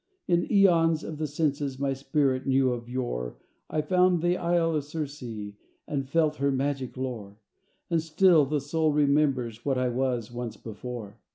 V In eons of the senses, My spirit knew of yore, I found the Isle of Circe And felt her magic lore; And still the soul remembers What I was once before.